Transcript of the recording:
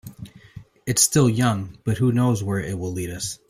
It's still young, but who knows where it will lead us.